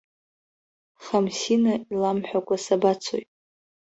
Хамсина иламҳәакәа сабацои.